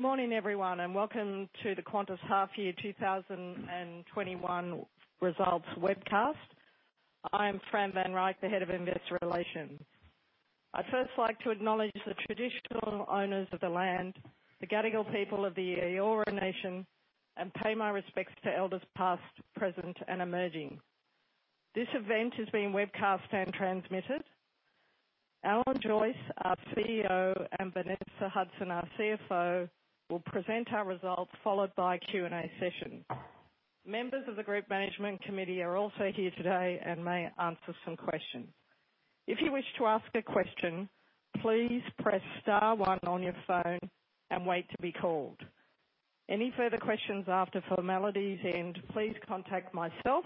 Morning everyone, and welcome to the Qantas Half Year 2021 Results Webcast. I am Fran van Reyk, the Head of Investor Relations. I'd first like to acknowledge the traditional owners of the land, the Gadigal people of the Eora Nation, and pay my respects to elders past, present, and emerging. This event is being webcast and transmitted. Alan Joyce, our CEO, and Vanessa Hudson, our CFO, will present our results, followed by a Q&A session. Members of the Group Management Committee are also here today and may answer some questions. If you wish to ask a question, please press star one on your phone and wait to be called. Any further questions after formalities end, please contact myself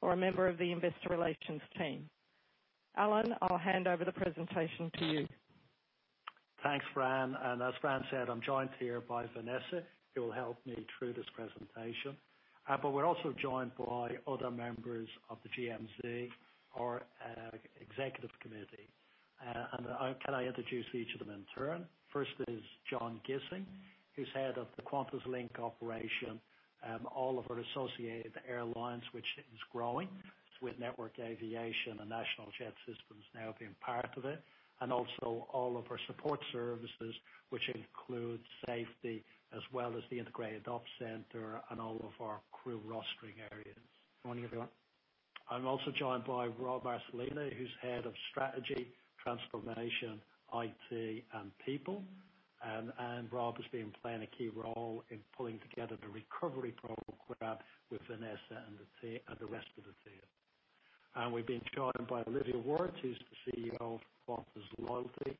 or a member of the Investor Relations team. Alan, I'll hand over the presentation to you. Thanks, Fran. As Fran said, I'm joined here by Vanessa, who will help me through this presentation. We're also joined by other members of the GMC, our executive committee. Can I introduce each of them in turn. First is John Gissing, who's Head of the QantasLink operation, all of our associated airlines, which is growing with Network Aviation and National Jet Systems now being part of it, and also all of our support services, which include safety as well as the integrated ops center and all of our crew rostering areas. Morning, everyone. I'm also joined by Rob Marcolina, who's Head of Strategy, Transformation, IT, and People. Rob has been playing a key role in pulling together the recovery program with Vanessa and the rest of the team. We're being joined by Olivia Wirth, who's the CEO of Qantas Loyalty,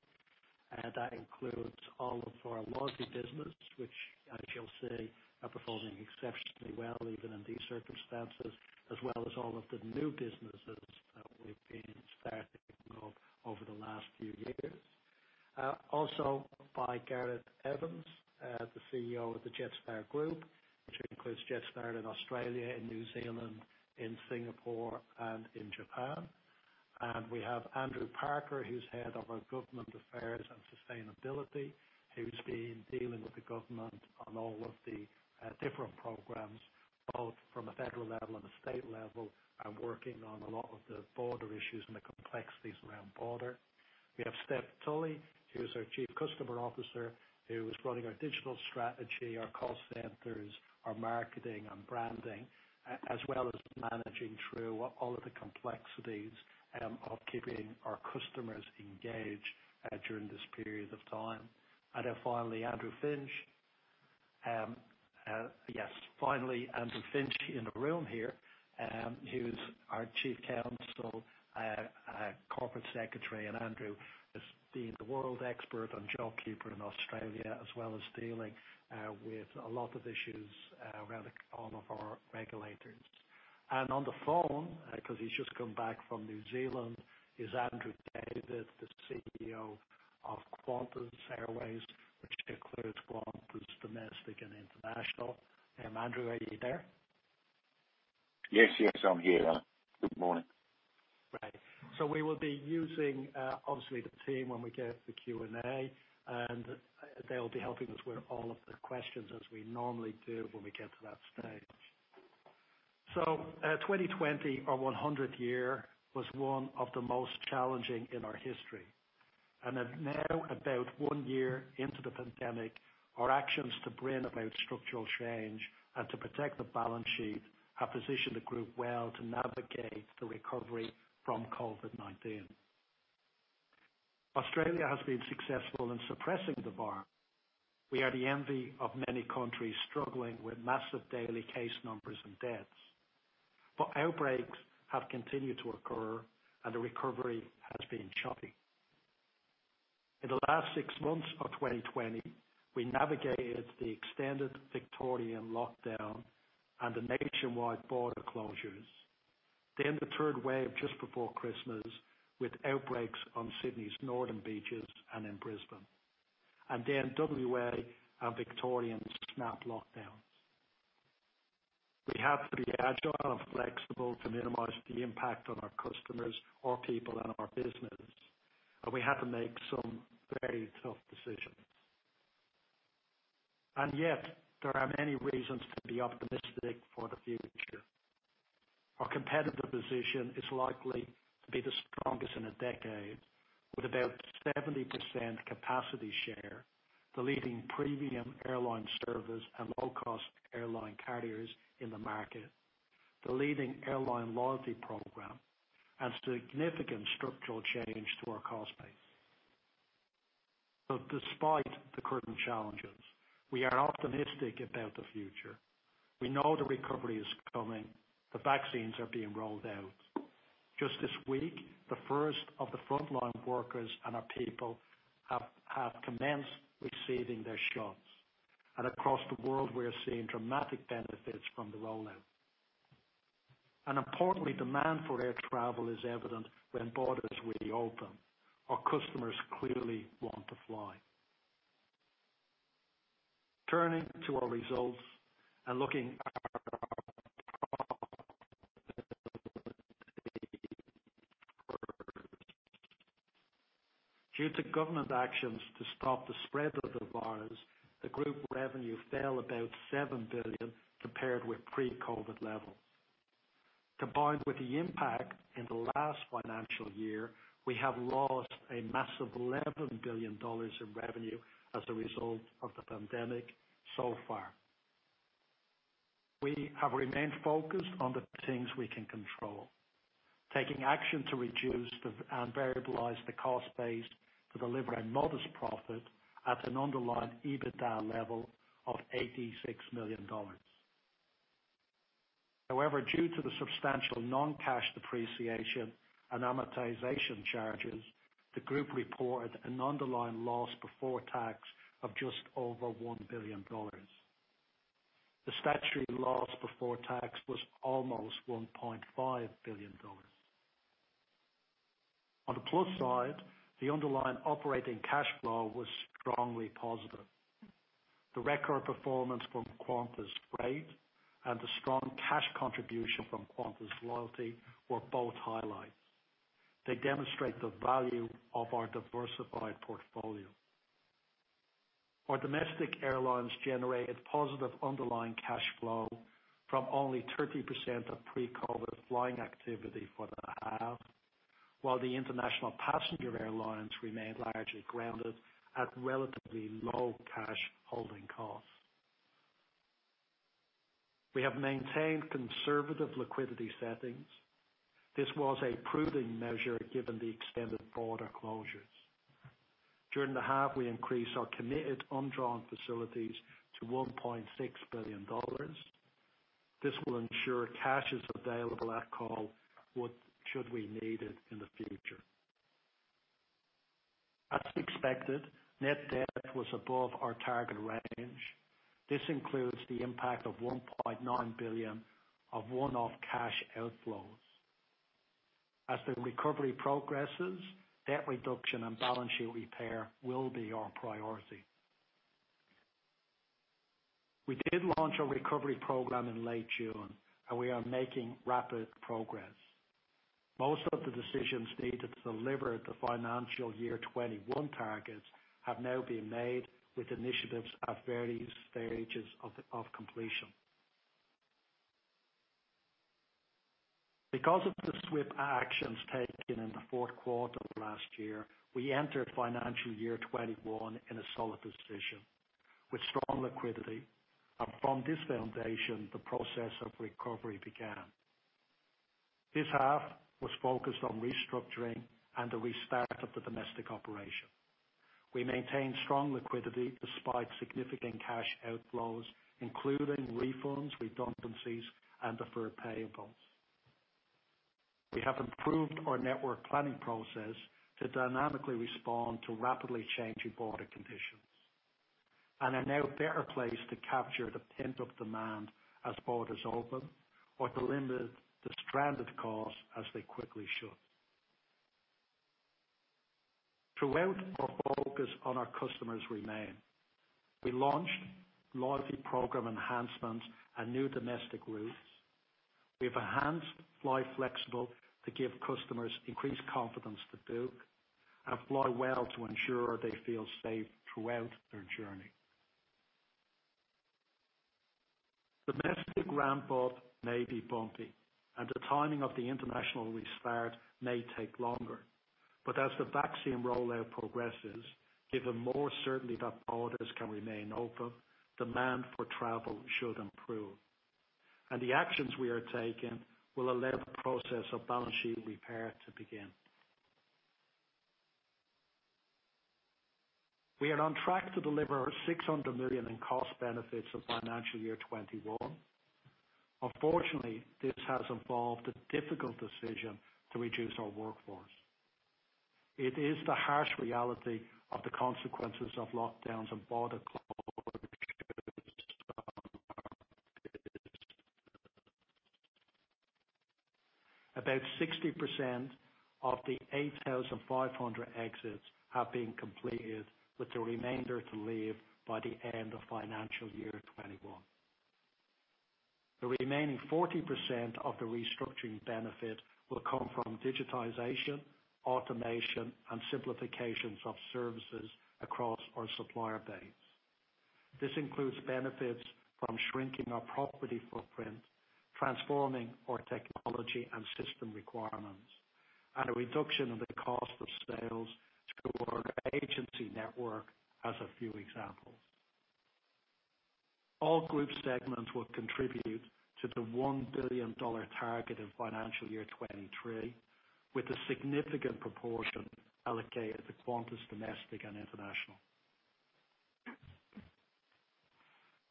and that includes all of our loyalty business, which as you'll see, are performing exceptionally well even in these circumstances, as well as all of the new businesses that we've been starting off over the last few years. Also by Gareth Evans, the CEO of the Jetstar Group, which includes Jetstar in Australia and New Zealand, in Singapore and in Japan. We have Andrew Parker, who's Head of our government affairs and sustainability. He's been dealing with the Government on all of the different programs, both from a federal level and a state level, and working on a lot of the border issues and the complexities around border. We have Steph Tully, who is our Chief Customer Officer, who is running our digital strategy, our call centers, our marketing and branding, as well as managing through all of the complexities of keeping our customers engaged during this period of time. Then finally, Andrew Finch. Yes, finally, Andrew Finch in the room here. He is our Chief Counsel, Corporate Secretary, and Andrew has been the world expert on JobKeeper in Australia, as well as dealing with a lot of issues around all of our regulators. On the phone, because he's just come back from New Zealand, is Andrew David, the CEO of Qantas Airways, which includes Qantas Domestic and International. Andrew, are you there? Yes, I'm here. Good morning. Right. We will be using obviously the team when we get to the Q&A, and they'll be helping us with all of the questions as we normally do when we get to that stage. 2020, our 100th year, was one of the most challenging in our history. Now about one year into the pandemic, our actions to bring about structural change and to protect the balance sheet have positioned the group well to navigate the recovery from COVID-19. Australia has been successful in suppressing the virus. We are the envy of many countries struggling with massive daily case numbers and deaths. Outbreaks have continued to occur and the recovery has been choppy. In the last six months of 2020, we navigated the extended Victorian lockdown and the nationwide border closures, then the third wave just before Christmas with outbreaks on Sydney's northern beaches and in Brisbane, and then WA and Victorian snap lockdowns. We had to be agile and flexible to minimize the impact on our customers, our people, and our business, and we had to make some very tough decisions. Yet there are many reasons to be optimistic for the future. Our competitive position is likely to be the strongest in a decade, with about 70% capacity share, the leading premium airline service and low-cost airline carriers in the market, the leading airline loyalty program, and significant structural change to our cost base. Despite the current challenges, we are optimistic about the future. We know the recovery is coming. The vaccines are being rolled out. Just this week, the first of the frontline workers and our people have commenced receiving their shots. Across the world, we are seeing dramatic benefits from the rollout. Importantly, demand for air travel is evident when borders reopen. Our customers clearly want to fly. Turning to our results and looking at... Due to government actions to stop the spread of the virus, the group revenue fell about 7 billion compared with pre-COVID levels. Combined with the impact in the last financial year, we have lost a massive 11 billion dollars in revenue as a result of the pandemic so far. We have remained focused on the things we can control, taking action to reduce and variabilize the cost base to deliver a modest profit at an underlying EBITDA level of 86 million dollars. However, due to the substantial non-cash depreciation and amortization charges, the group reported an underlying loss before tax of just over 1 billion dollars. The statutory loss before tax was almost 1.5 billion dollars. On the plus side, the underlying operating cash flow was strongly positive. The record performance from Qantas Freight and the strong cash contribution from Qantas Loyalty were both highlights. They demonstrate the value of our diversified portfolio. Our domestic airlines generated positive underlying cash flow from only 30% of pre-COVID flying activity for the half, while the international passenger airlines remained largely grounded at relatively low cash holding costs. We have maintained conservative liquidity settings. This was a prudent measure given the extended border closures. During the half, we increased our committed undrawn facilities to 1.6 billion dollars. This will ensure cash is available at call should we need it in the future. As expected, net debt was above our target range. This includes the impact of 1.9 billion of one-off cash outflows. As the recovery progresses, debt reduction and balance sheet repair will be our priority. We did launch a recovery program in late June, we are making rapid progress. Most of the decisions made to deliver the financial year 2021 targets have now been made with initiatives at various stages of completion. Because of the swift actions taken in the fourth quarter of last year, we entered financial year 2021 in a solid position with strong liquidity. From this foundation, the process of recovery began. This half was focused on restructuring and the restart of the domestic operation. We maintained strong liquidity despite significant cash outflows, including refunds, redundancies, and deferred payables. We have improved our network planning process to dynamically respond to rapidly changing border conditions and are now in a better place to capture the pent-up demand as borders open or to limit the stranded costs as they quickly shut. Throughout, our focus on our customers remained. We launched loyalty program enhancements and new domestic routes. We enhanced Fly Flexible to give customers increased confidence to book and Fly Well to ensure they feel safe throughout their journey. Domestic ramp-up may be bumpy, and the timing of the international restart may take longer. As the vaccine rollout progresses, given more certainty that borders can remain open, demand for travel should improve, and the actions we are taking will allow the process of balance sheet repair to begin. We are on track to deliver 600 million in cost benefits in financial year 2021. Unfortunately, this has involved a difficult decision to reduce our workforce. It is the harsh reality of the consequences of lockdowns and border closures on our business. About 60% of the 8,500 exits have been completed, with the remainder to leave by the end of financial year 2021. The remaining 40% of the restructuring benefit will come from digitization, automation, and simplifications of services across our supplier base. This includes benefits from shrinking our property footprint, transforming our technology and system requirements, and a reduction in the cost of sales through our agency network, as a few examples. All group segments will contribute to the 1 billion dollar target in financial year 2023, with a significant proportion allocated to Qantas Domestic and International.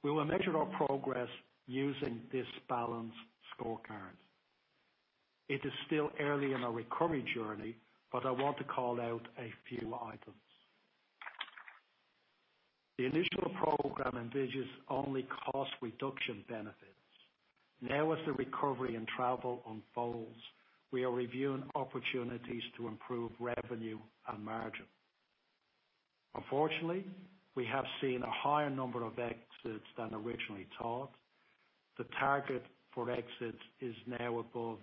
We will measure our progress using this balanced scorecard. It is still early in our recovery journey, but I want to call out a few items. The initial program envisages only cost reduction benefits. As the recovery in travel unfolds, we are reviewing opportunities to improve revenue and margin. Unfortunately, we have seen a higher number of exits than originally thought. The target for exits is now above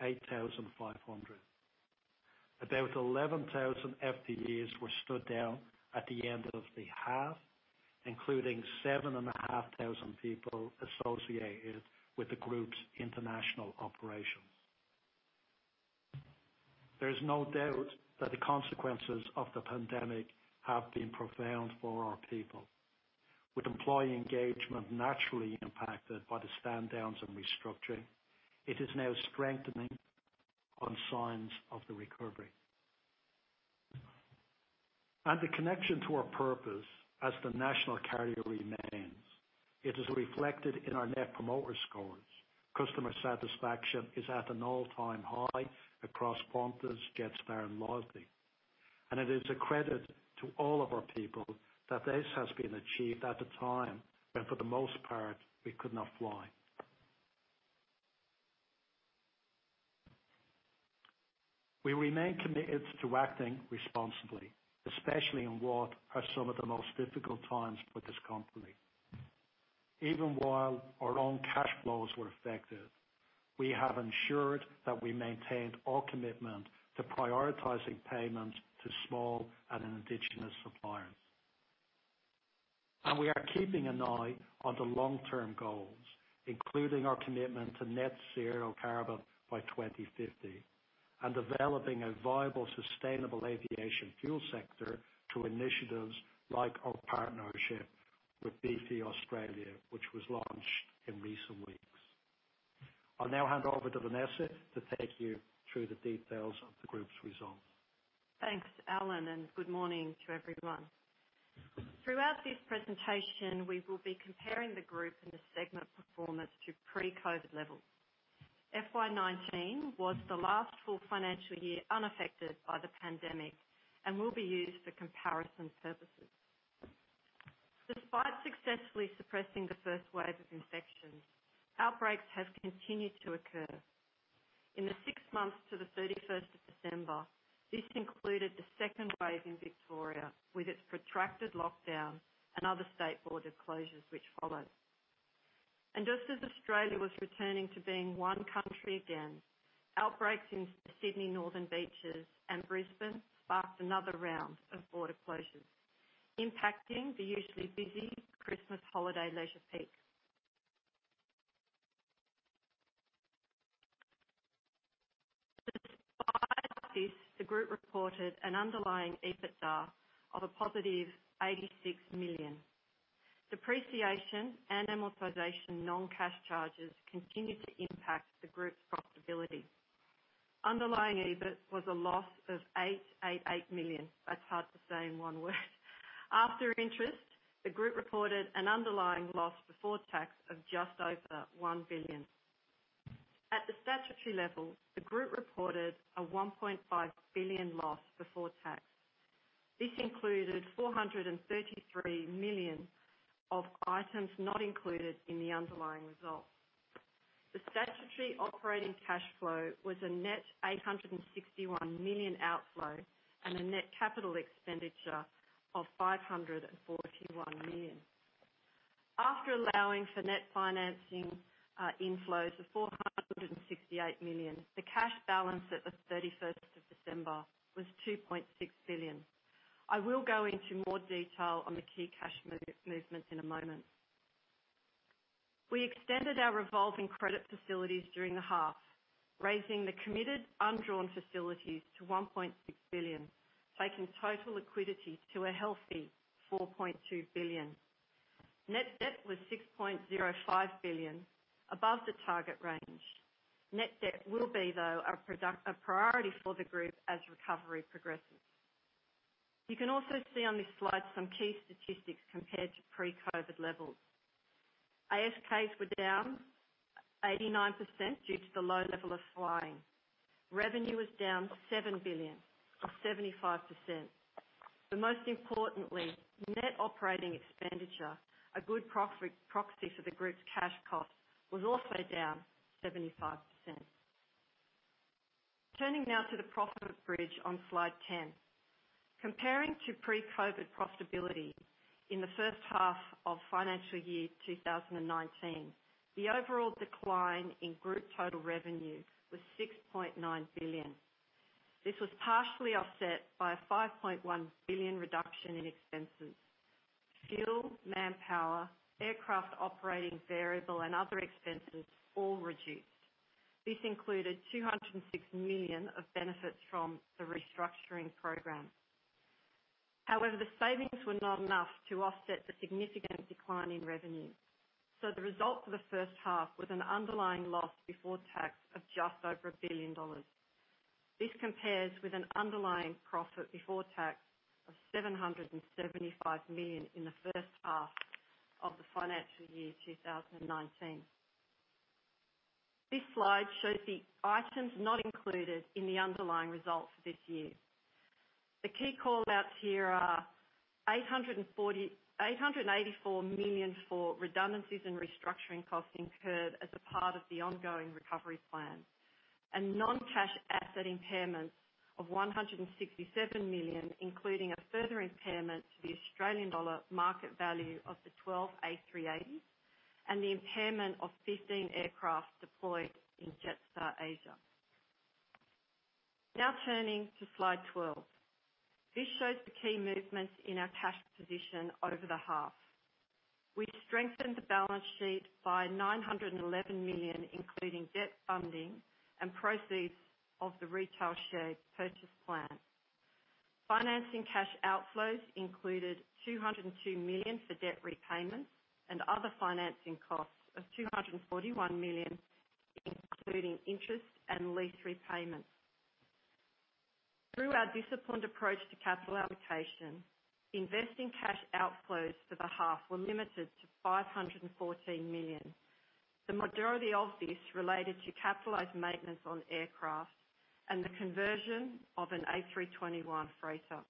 8,500. About 11,000 FTEs were stood down at the end of the half, including 7,500 people associated with the group's international operations. There is no doubt that the consequences of the pandemic have been profound for our people. With employee engagement naturally impacted by the stand downs and restructuring, it is now strengthening on signs of the recovery. The connection to our purpose as the national carrier remains. It is reflected in our net promoter scores. Customer satisfaction is at an all-time high across Qantas, Jetstar, and Loyalty. It is a credit to all of our people that this has been achieved at the time when, for the most part, we could not fly. We remain committed to acting responsibly, especially in what are some of the most difficult times for this company. Even while our own cash flows were affected, we have ensured that we maintained our commitment to prioritizing payments to small and indigenous suppliers. We are keeping an eye on the long-term goals, including our commitment to net zero carbon by 2050 and developing a viable, sustainable aviation fuel sector to initiatives like our partnership with BP Australia, which was launched in recent weeks. I'll now hand over to Vanessa to take you through the details of the group's results. Thanks, Alan, and good morning to everyone. Throughout this presentation, we will be comparing the group and the segment performance to pre-COVID levels. FY 2019 was the last full financial year unaffected by the pandemic and will be used for comparison purposes. Despite successfully suppressing the first wave of infections, outbreaks have continued to occur. In the six months to the December 31st, this included the second wave in Victoria, with its protracted lockdown and other state border closures which followed. Just as Australia was returning to being one country again, outbreaks in Sydney Northern Beaches and Brisbane sparked another round of border closures, impacting the usually busy Christmas holiday leisure peak. Despite this, the group reported an underlying EBITDA of a positive 86 million. Depreciation and amortization non-cash charges continued to impact the group's profitability. Underlying EBIT was a loss of 888 million. That's hard to say in one word. After interest, the group reported an underlying loss before tax of just over 1 billion. At the statutory level, the group reported a 1.5 billion loss before tax. This included 433 million of items not included in the underlying result. The statutory operating cash flow was a net 861 million outflow and a net capital expenditure of 541 million. After allowing for net financing inflows of 468 million, the cash balance at the December 31st was 2.6 billion. I will go into more detail on the key cash movements in a moment. We extended our revolving credit facilities during the half, raising the committed undrawn facilities to 1.6 billion, taking total liquidity to a healthy 4.2 billion. Net debt was 6.05 billion above the target range. Net debt will be, though, a priority for the group as recovery progresses. You can also see on this slide some key statistics compared to pre-COVID levels. ASK were down 89% due to the low level of flying. Revenue was down 7 billion, or 75%. Most importantly, net operating expenditure, a good proxy for the group's cash cost, was also down 75%. Turning now to the profit bridge on slide 10. Comparing to pre-COVID profitability in the first half of financial year 2019, the overall decline in group total revenue was 6.9 billion. This was partially offset by a 5.1 billion reduction in expenses. Fuel, manpower, aircraft operating variable, and other expenses all reduced. This included 206 million of benefits from the restructuring program. However, the savings were not enough to offset the significant decline in revenue. The result for the first half was an underlying loss before tax of just over 1 billion dollars. This compares with an underlying profit before tax of 775 million in the first half of the financial year 2019. This slide shows the items not included in the underlying results this year. The key call-outs here are 884 million for redundancies and restructuring costs incurred as a part of the ongoing recovery plan. Non-cash asset impairment of 167 million, including a further impairment to the Australian dollar market value of the 12 A380s and the impairment of 15 aircraft deployed in Jetstar Asia. Turning to slide 12. This shows the key movements in our cash position over the half. We strengthened the balance sheet by 911 million, including debt funding and proceeds of the retail share purchase plan. Financing cash outflows included 202 million for debt repayments and other financing costs of 241 million, including interest and lease repayments. Through our disciplined approach to capital allocation, investing cash outflows for the half were limited to 514 million. The majority of this related to capitalized maintenance on aircraft and the conversion of an A321 freighter.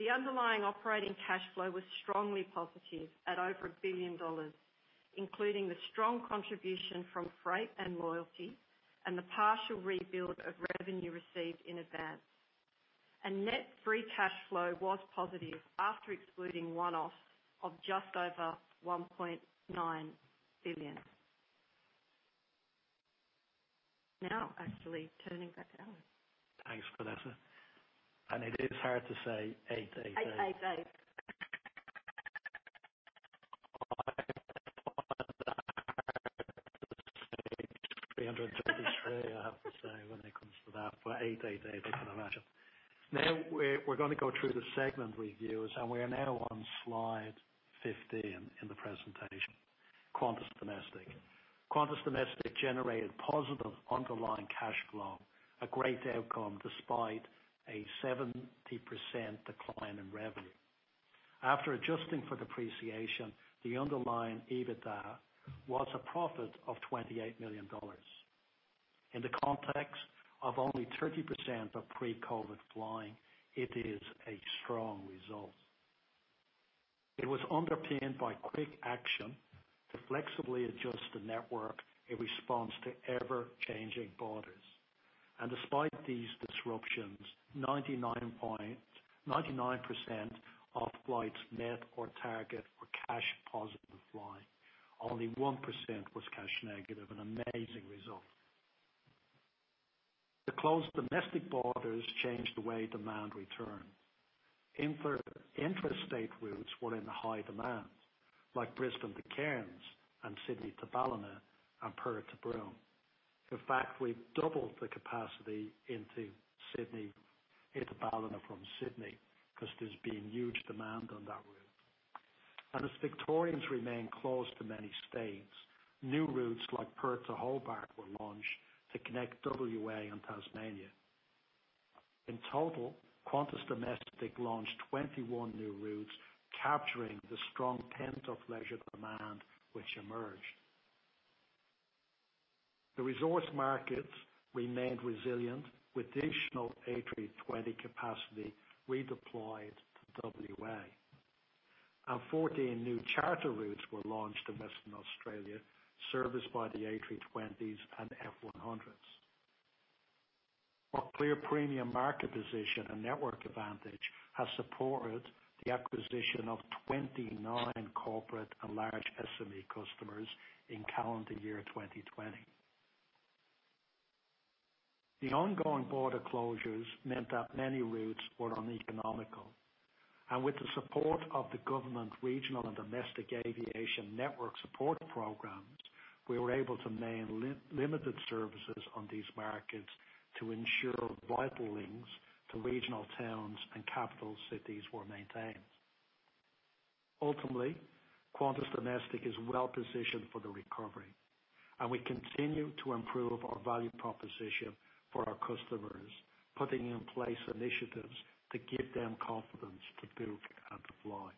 The underlying operating cash flow was strongly positive at over 1 billion dollars, including the strong contribution from Freight and Loyalty and the partial rebuild of revenue received in advance. Net free cash flow was positive after excluding one-offs of just over AUD 1.9 billion. Now actually turning back to Alan. Thanks, Vanessa. It is hard to say A380. A380. It's hard to say 333, I have to say when it comes to that, but A380 I can imagine. We're going to go through the segment reviews, we are now on slide 15 in the presentation, Qantas Domestic. Qantas Domestic generated positive underlying cash flow, a great outcome despite a 70% decline in revenue. After adjusting for depreciation, the underlying EBITDA was a profit of 28 million dollars. In the context of only 30% of pre-COVID flying, it is a strong result. It was underpinned by quick action to flexibly adjust the network in response to ever-changing borders. Despite these disruptions, 99% of flights met our target for cash-positive flying. Only 1% was cash negative, an amazing result. The closed domestic borders changed the way demand returned. Interstate routes were in high demand, like Brisbane to Cairns and Sydney to Ballina and Perth to Broome. We doubled the capacity into Sydney, into Ballina from Sydney because there's been huge demand on that route. As Victorians remain closed to many states, new routes like Perth to Hobart were launched to connect W.A. and Tasmania. In total, Qantas Domestic launched 21 new routes, capturing the strong pent-up leisure demand which emerged. The resource markets remained resilient with additional A320 capacity redeployed to W.A. 14 new charter routes were launched in Western Australia, serviced by the A320s and F-100s. Our clear premium market position and network advantage has supported the acquisition of 29 corporate and large SME customers in calendar year 2020. The ongoing border closures meant that many routes were uneconomical. With the support of the government regional and domestic aviation network support programs, we were able to maintain limited services on these markets to ensure vital links to regional towns and capital cities were maintained. Ultimately, Qantas Domestic is well-positioned for the recovery, and we continue to improve our value proposition for our customers, putting in place initiatives to give them confidence to book and to fly.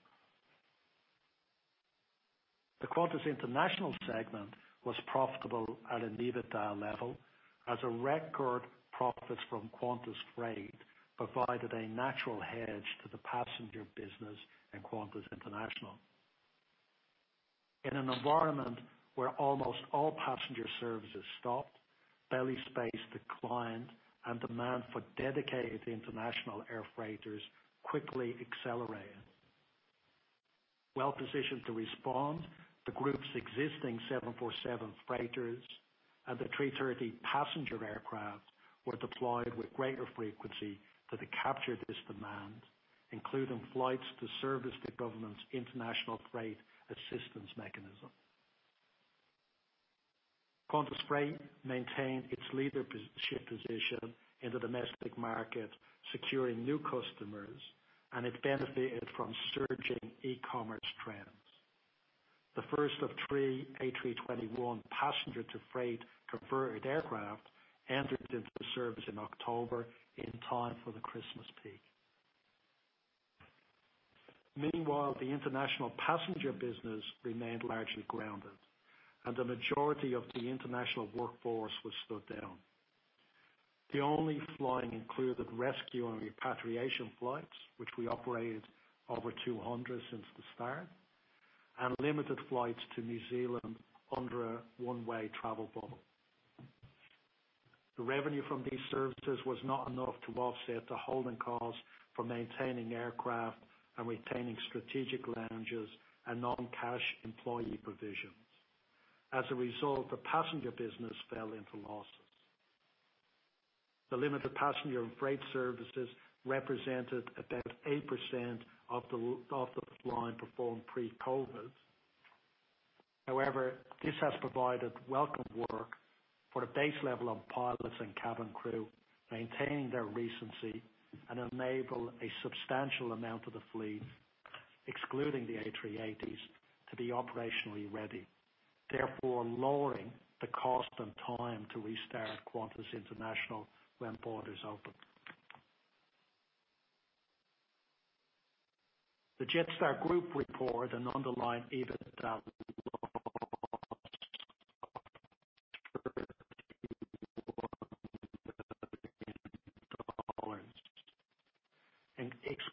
The Qantas International segment was profitable at an EBITDA level as record profits from Qantas Freight provided a natural hedge to the passenger business in Qantas International. In an environment where almost all passenger services stopped, belly space declined and demand for dedicated international air freighters quickly accelerated. Well-positioned to respond, the group's existing 747 freighters and the A330 passenger aircraft were deployed with greater frequency to capture this demand, including flights to service the government's International Freight Assistance Mechanism. Qantas Freight maintained its leadership position in the domestic market, securing new customers, and it benefited from surging e-commerce trends. The first of three A321 passenger-to-freight converted aircraft entered into service in October in time for the Christmas peak. Meanwhile, the international passenger business remained largely grounded, and the majority of the international workforce was stood down. The only flying included rescue and repatriation flights, which we operated over 200 since the start, and limited flights to New Zealand under a one-way travel bubble. The revenue from these services was not enough to offset the holding cost for maintaining aircraft and retaining strategic lounges and non-cash employee provisions. As a result, the passenger business fell into losses. The limited passenger and freight services represented about 8% of the flying performed pre-COVID. This has provided welcome work for a base level of pilots and cabin crew maintaining their recency and enable a substantial amount of the fleet, excluding the A380s, to be operationally ready, therefore lowering the cost and time to restart Qantas International when borders open. The Jetstar Group report an underlying EBITDA loss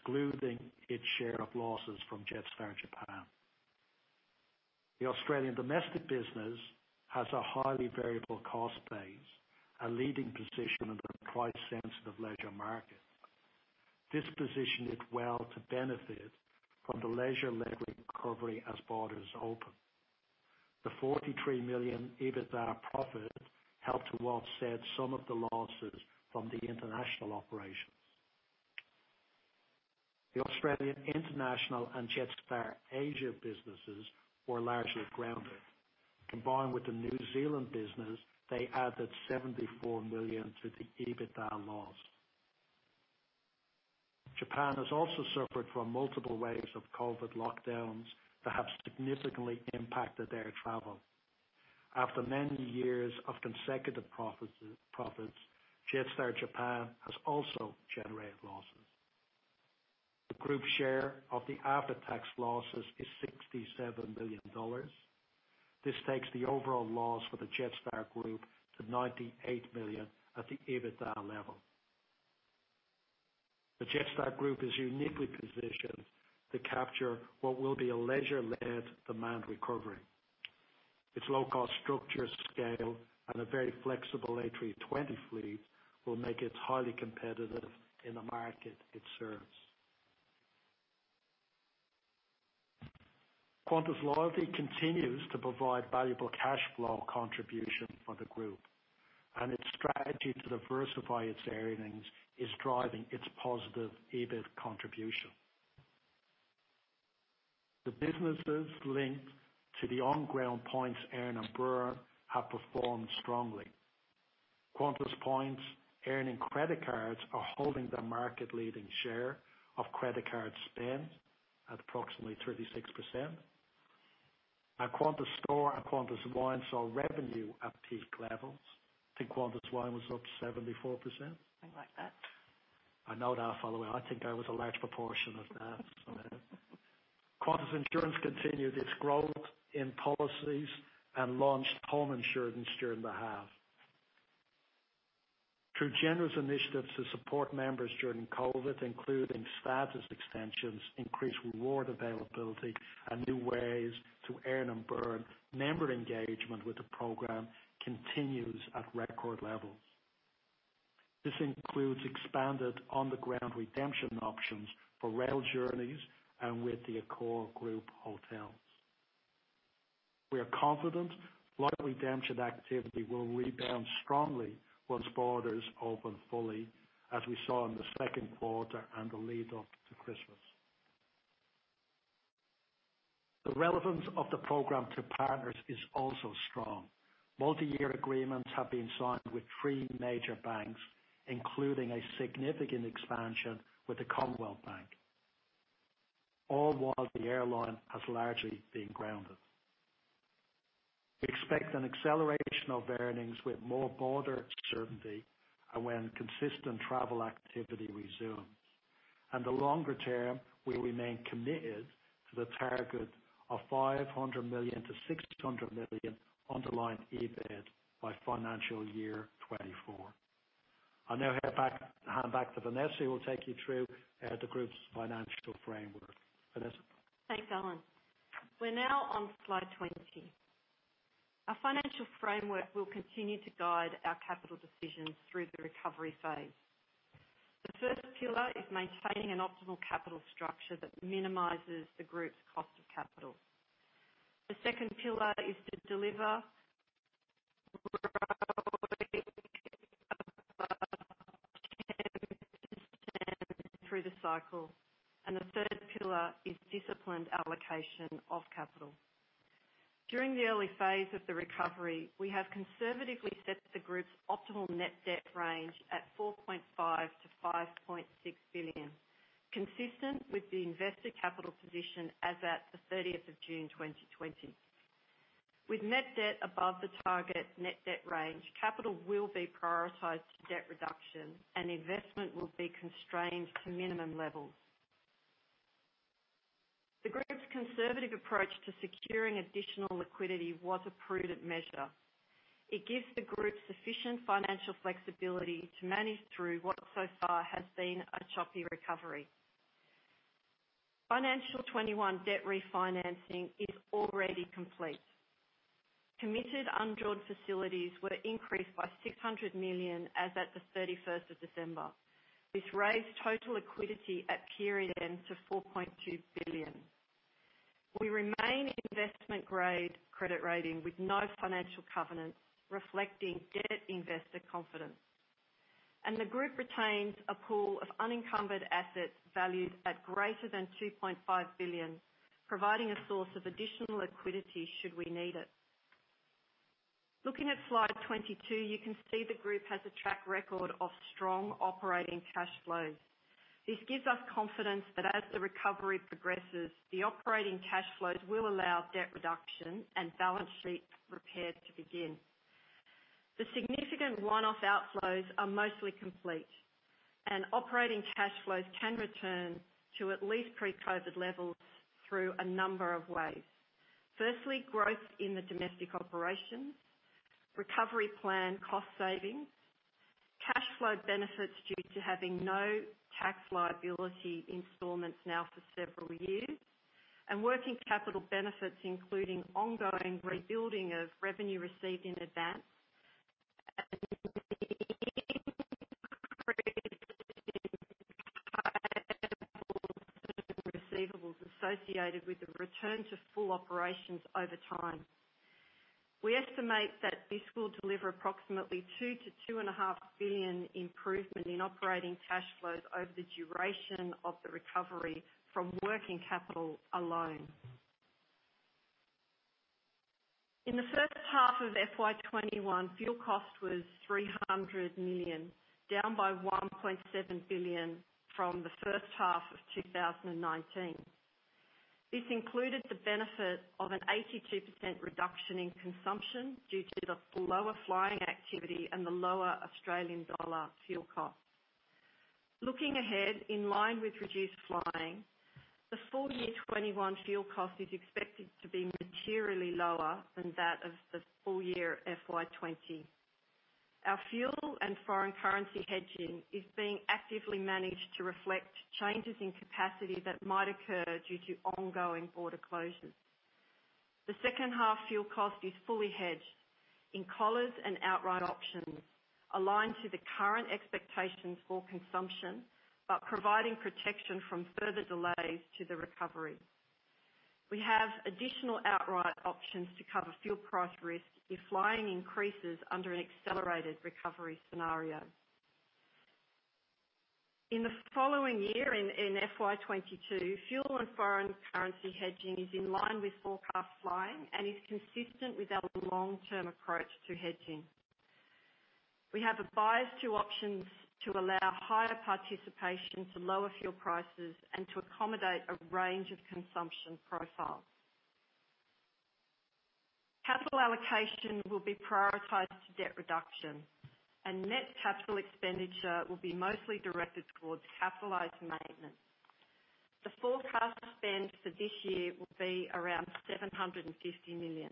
excluding its share of losses from Jetstar Japan. The Australian domestic business has a highly variable cost base, a leading position in the price-sensitive leisure market. This position is well to benefit from the leisure-led recovery as borders open. The 43 million EBITDA profit helped to offset some of the losses from the international operations. The Australian International and Jetstar Asia businesses were largely grounded. Combined with the New Zealand business, they added 74 million to the EBITDA loss. Japan has also suffered from multiple waves of COVID lockdowns that have significantly impacted air travel. After many years of consecutive profits, Jetstar Japan has also generated losses. The group share of the after-tax losses is 67 million dollars. This takes the overall loss for the Jetstar Group to 98 million at the EBITDA level. The Jetstar Group is uniquely positioned to capture what will be a leisure-led demand recovery. Its low-cost structure, scale, and a very flexible A320 fleet will make it highly competitive in the market it serves. Qantas Loyalty continues to provide valuable cash flow contribution for the group, and its strategy to diversify its earnings is driving its positive EBIT contribution. The businesses linked to the on-ground Points earn and burn have performed strongly. Qantas Points earning credit cards are holding their market-leading share of credit card spend at approximately 36%, and Qantas Marketplace and Qantas Wine saw revenue at peak levels. I think Qantas Wine was up 74%? Something like that. I know that, by the way. I think I was a large proportion of that. Qantas Insurance continued its growth in policies and launched home insurance during the half. Through generous initiatives to support members during COVID, including status extensions, increased reward availability, and new ways to earn and burn, member engagement with the program continues at record levels. This includes expanded on-the-ground redemption options for rail journeys and with the Accor group hotels. We are confident loyalty redemption activity will rebound strongly once borders open fully, as we saw in the second quarter and the lead up to Christmas. The relevance of the program to partners is also strong. Multi-year agreements have been signed with three major banks, including a significant expansion with the Commonwealth Bank. All while the airline has largely been grounded. We expect an acceleration of earnings with more border certainty and when consistent travel activity resumes. In the longer term, we remain committed to the target of 500 million-600 million underlying EBIT by financial year 2024. I will now hand back to Vanessa, who will take you through the group's financial framework. Vanessa? Thanks, Alan. We're now on slide 20. Our financial framework will continue to guide our capital decisions through the recovery phase. The first pillar is maintaining an optimal capital structure that minimizes the group's cost of capital. The second pillar is to deliver through the cycle, and the third pillar is disciplined allocation of capital. During the early phase of the recovery, we have conservatively set the group's optimal net debt range at 4.5 billion-5.6 billion, consistent with the investor capital position as at the June 30th, 2020. With net debt above the target net debt range, capital will be prioritized to debt reduction and investment will be constrained to minimum levels. The group's conservative approach to securing additional liquidity was a prudent measure. It gives the group sufficient financial flexibility to manage through what so far has been a choppy recovery. Financial 2021 debt refinancing is already complete. Committed undrawn facilities were increased by 600 million as at the December 31st. This raised total liquidity at period end to 4.2 billion. We remain investment-grade credit rating with no financial covenant, reflecting debt investor confidence. The group retains a pool of unencumbered assets valued at greater than 2.5 billion, providing a source of additional liquidity should we need it. Looking at slide 22, you can see the group has a track record of strong operating cash flows. This gives us confidence that as the recovery progresses, the operating cash flows will allow debt reduction and balance sheet repair to begin. The significant one-off outflows are mostly complete, and operating cash flows can return to at least pre-COVID levels through a number of ways. Firstly, growth in the domestic operations, recovery plan cost savings, cash flow benefits due to having no tax liability installments now for several years, and working capital benefits, including ongoing rebuilding of revenue received in advance receivables associated with the return to full operations over time. We estimate that this will deliver approximately 2 billion-2.5 billion improvement in operating cash flows over the duration of the recovery from working capital alone. In the first half of FY 2021, fuel cost was 300 million, down by 1.7 billion from the first half of 2019. This included the benefit of an 82% reduction in consumption due to the lower flying activity and the lower Australian dollar fuel cost. Looking ahead, in line with reduced flying, the full year 2021 fuel cost is expected to be materially lower than that of the full year FY 2020. Our fuel and foreign currency hedging is being actively managed to reflect changes in capacity that might occur due to ongoing border closures. The second half fuel cost is fully hedged in collars and outright options aligned to the current expectations for consumption, but providing protection from further delays to the recovery. We have additional outright options to cover fuel price risk if flying increases under an accelerated recovery scenario. In the following year, in FY 2022, fuel and foreign currency hedging is in line with forecast flying and is consistent with our long-term approach to hedging. We have advised two options to allow higher participation to lower fuel prices and to accommodate a range of consumption profiles. Capital allocation will be prioritized to debt reduction, and net capital expenditure will be mostly directed towards capitalized maintenance. The forecast spend for this year will be around 750 million.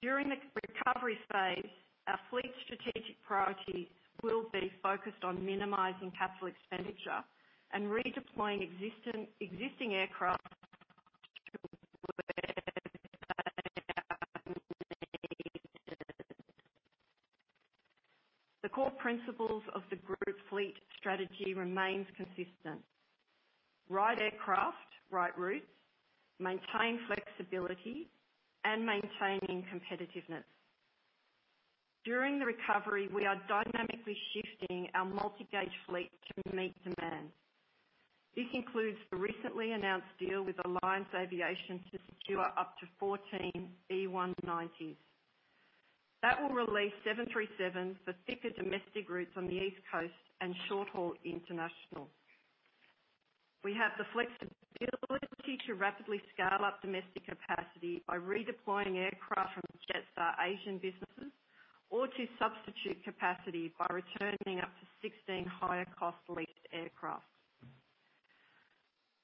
During the recovery phase, our fleet strategic priorities will be focused on minimizing capital expenditure and redeploying existing aircraft. The core principles of the group fleet strategy remains consistent: right aircraft, right routes, maintain flexibility, and maintaining competitiveness. During the recovery, we are dynamically shifting our multi-gauge fleet to meet demand. This includes the recently announced deal with Alliance Aviation to secure up to 14 E190s. That will release 737 for thicker domestic routes on the East Coast and short-haul international. We have the flexibility to rapidly scale up domestic capacity by redeploying aircraft from Jetstar Asia businesses or to substitute capacity by returning up to 16 higher cost-leased aircraft.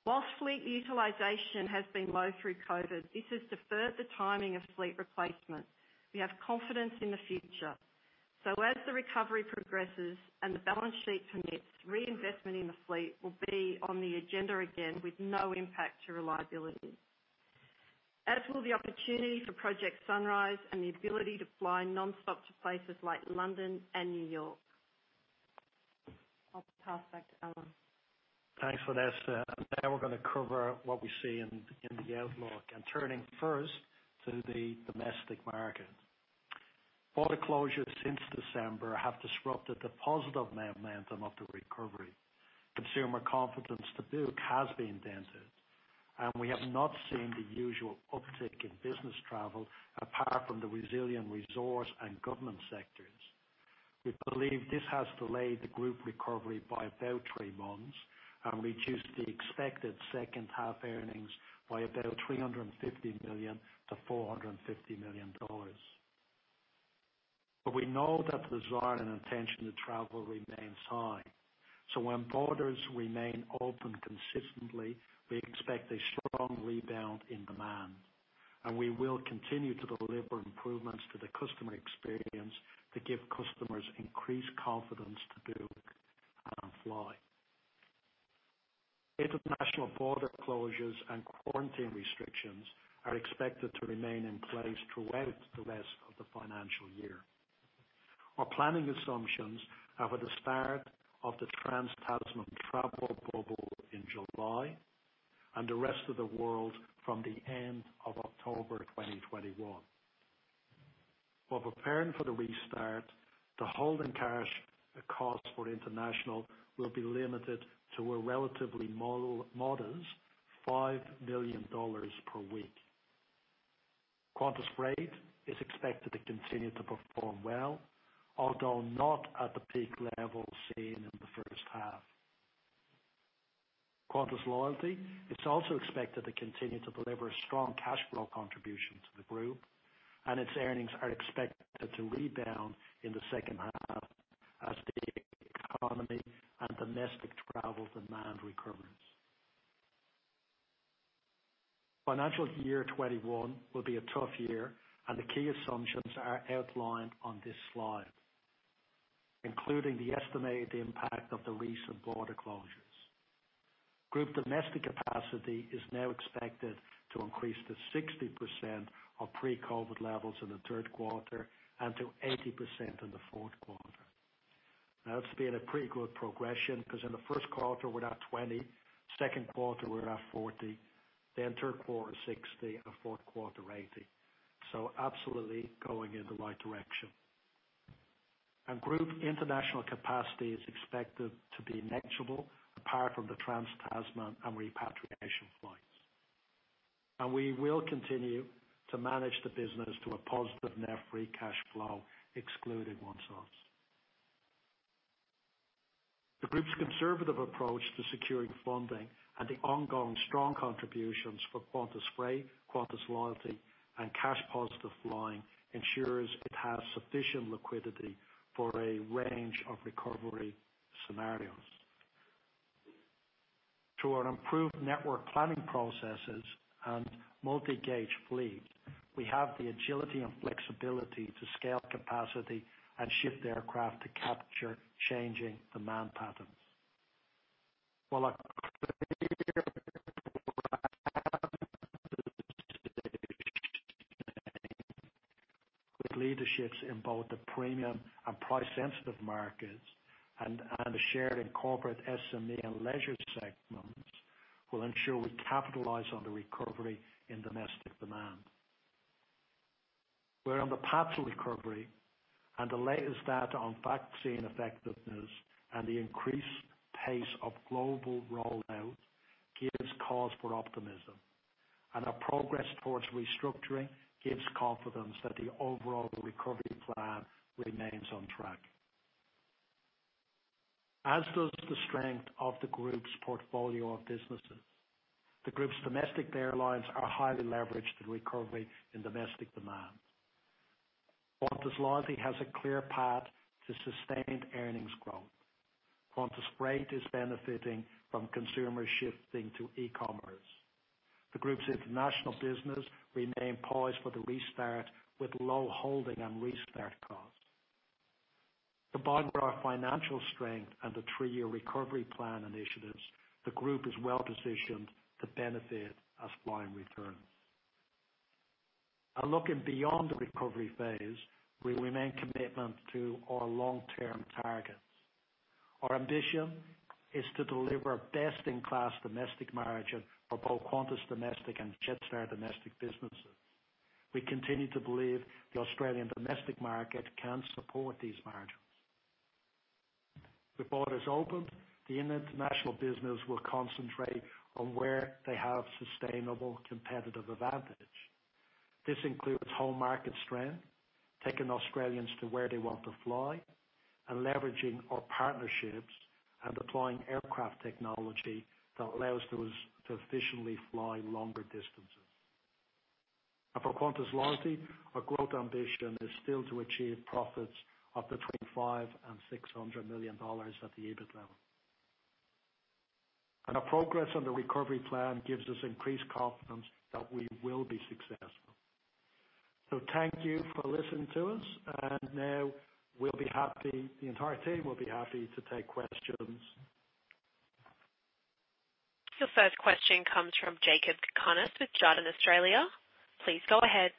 While fleet utilization has been low through COVID, this has deferred the timing of fleet replacement. We have confidence in the future. As the recovery progresses and the balance sheet permits, reinvestment in the fleet will be on the agenda again with no impact to reliability. As will the opportunity for Project Sunrise and the ability to fly nonstop to places like London and New York. I'll pass back to Alan. Thanks, Vanessa. We're going to cover what we see in the outlook and turning first to the domestic market. Border closures since December have disrupted the positive momentum of the recovery. Consumer confidence to book has been dented, we have not seen the usual uptick in business travel apart from the resilient resource and government sectors. We believe this has delayed the group recovery by about three months and reduced the expected second half earnings by about 350 million-450 million dollars. We know that the desire and intention to travel remains high. When borders remain open consistently, we expect a strong rebound in demand, we will continue to deliver improvements to the customer experience to give customers increased confidence to book and fly. International border closures and quarantine restrictions are expected to remain in place throughout the rest of the financial year. Our planning assumptions are for the start of the Trans-Tasman travel bubble in July and the rest of the world from the end of October 2021. While preparing for the restart, the holding cash cost for international will be limited to a relatively modest 5 million dollars per week. Qantas Freight is expected to continue to perform well, although not at the peak level seen in the first half. Qantas Loyalty is also expected to continue to deliver a strong cash flow contribution to the group, and its earnings are expected to rebound in the second half as the economy and domestic travel demand recovers. Financial year 2021 will be a tough year, and the key assumptions are outlined on this slide, including the estimated impact of the recent border closures. Group domestic capacity is now expected to increase to 60% of pre-COVID levels in the third quarter and to 80% in the fourth quarter. It's been a pretty good progression because in the first quarter we're now 20%, second quarter we're now 40%, third quarter 60%, fourth quarter 80%. Absolutely going in the right direction. Group international capacity is expected to be negligible, apart from the Trans-Tasman and repatriation flights. We will continue to manage the business to a positive net free cash flow, excluding one-offs. The group's conservative approach to securing funding and the ongoing strong contributions for Qantas Freight, Qantas Loyalty, and cash positive flying ensures it has sufficient liquidity for a range of recovery scenarios. Through our improved network planning processes and multi-gauge fleet, we have the agility and flexibility to scale capacity and shift aircraft to capture changing demand patterns. While a clear leadership in both the premium and price-sensitive markets and the shared and corporate SME and leisure segments will ensure we capitalize on the recovery in domestic demand. The latest data on vaccine effectiveness and the increased pace of global rollout gives cause for optimism. Our progress towards restructuring gives confidence that the overall recovery plan remains on track. As does the strength of the group's portfolio of businesses. The group's domestic airlines are highly leveraged to recovery in domestic demand. Qantas Loyalty has a clear path to sustained earnings growth. Qantas Freight is benefiting from consumers shifting to e-commerce. The group's International business remain poised for the restart with low holding and restart costs. The bulk of our financial strength and the three-year recovery plan initiatives, the group is well-positioned to benefit as flying returns. Looking beyond the recovery phase, we remain committed to our long-term targets. Our ambition is to deliver best-in-class domestic margin for both Qantas Domestic and Jetstar domestic businesses. We continue to believe the Australian domestic market can support these margins. With borders opened, the International business will concentrate on where they have sustainable competitive advantage. This includes home market strength, taking Australians to where they want to fly, and leveraging our partnerships and deploying aircraft technology that allows those to efficiently fly longer distances. For Qantas Loyalty, our growth ambition is still to achieve profits of between 500 million and 600 million dollars at the EBIT level. Our progress on the recovery plan gives us increased confidence that we will be successful. Thank you for listening to us, and now the entire team will be happy to take questions. Your first question comes from Jakob Cakarnis with Jarden Australia. Please go ahead.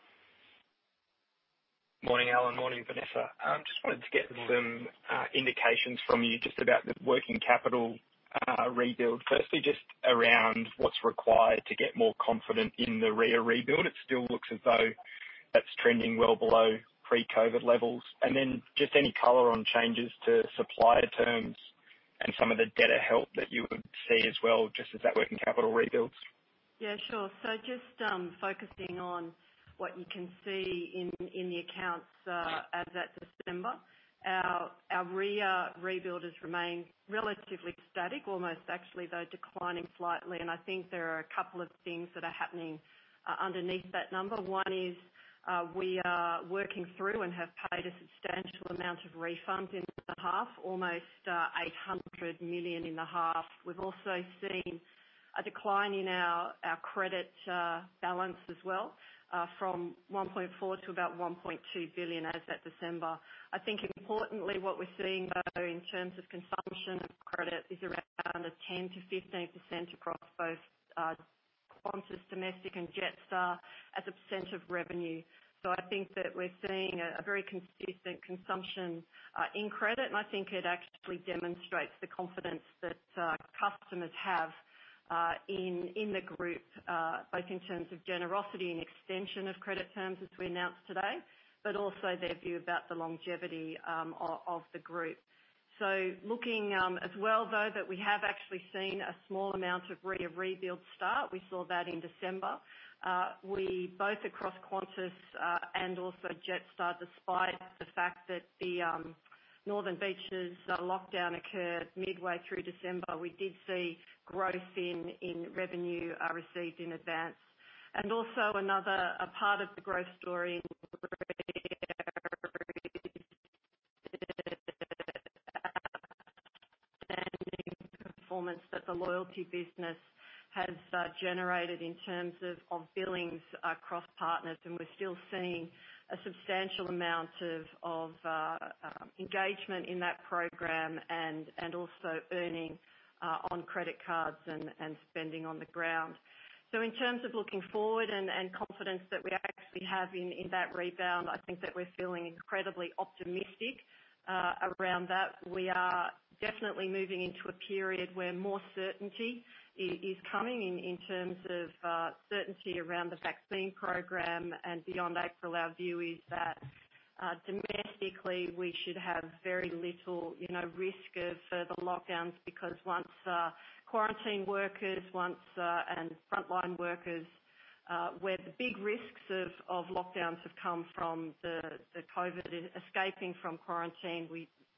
Morning, Alan. Morning, Vanessa. I just wanted to get some indications from you just about the working capital rebuild. Firstly, just around what's required to get more confident in the brand rebuild. It still looks as though that's trending well below pre-COVID levels. Just any color on changes to supplier terms and some of the debtor help that you would see as well just as that working capital rebuilds. Yeah, sure. Just focusing on what you can see in the accounts as at December. Our RRA rebuild has remained relatively static, almost actually, though declining slightly. I think there are a couple of things that are happening underneath that number. One is we are working through and have paid a substantial amount of refunds in the half, almost 800 million in the half. We've also seen a decline in our credit balance as well, from 1.4 billion to about 1.2 billion as at December. I think importantly, what we're seeing though, in terms of consumption of credit, is around the 10%-15% across both Qantas Domestic and Jetstar as a percent of revenue. I think that we're seeing a very consistent consumption in credit, and I think it actually demonstrates the confidence that customers have in the group, both in terms of generosity and extension of credit terms as we announced today, but also their view about the longevity of the group. Looking as well, though, that we have actually seen a small amount of RRA rebuild start. We saw that in December. Both across Qantas and also Jetstar, despite the fact that the Northern Beaches lockdown occurred midway through December, we did see growth in revenue received in advance. Also another part of the growth story performance that the loyalty business has generated in terms of billings across partners. We're still seeing a substantial amount of engagement in that program and also earning on credit cards and spending on the ground. In terms of looking forward and confidence that we actually have in that rebound, I think that we're feeling incredibly optimistic around that. We are definitely moving into a period where more certainty is coming in terms of certainty around the vaccine program and beyond April. Our view is that domestically, we should have very little risk of further lockdowns because once quarantine workers and frontline workers, where the big risks of lockdowns have come from the COVID escaping from quarantine.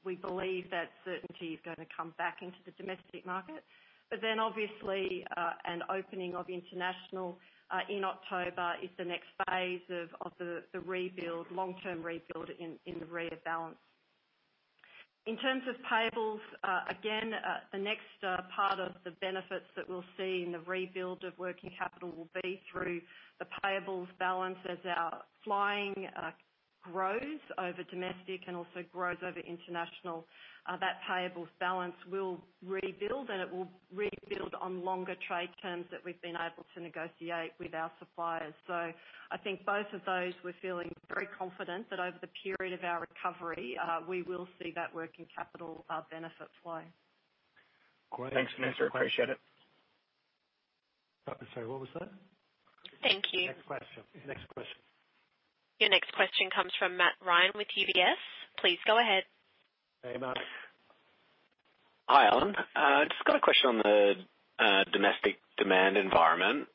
We believe that certainty is going to come back into the domestic market. Obviously, an opening of International in October is the next phase of the rebuild, long-term rebuild in the RRA balance. In terms of payables, again, the next part of the benefits that we'll see in the rebuild of working capital will be through the payables balance as our flying grows over Domestic and also grows over International. That payables balance will rebuild, and it will rebuild on longer trade terms that we've been able to negotiate with our suppliers. I think both of those we're feeling very confident that over the period of our recovery, we will see that working` capital benefit flow. Great. Thanks. Appreciate it. Sorry, what was that? Thank you. Next question? --Your next question comes from Matt Ryan with UBS. Please go ahead. Hey, Matt. Hi, Alan. Got a question on the domestic demand environment.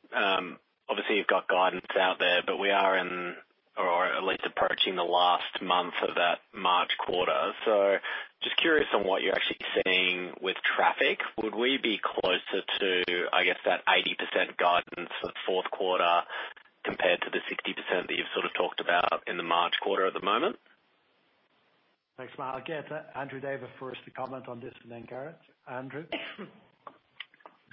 Obviously, you've got guidance out there, we are in or at least approaching the last month of that March quarter. Just curious on what you're actually seeing with traffic. Would we be closer to, I guess, that 80% guidance for the fourth quarter compared to the 60% that you've sort of talked about in the March quarter at the moment? Thanks, Matt. I'll get Andrew David first to comment on this and then Gareth. Andrew?